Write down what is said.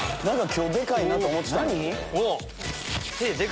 今日でかいなと思ってた。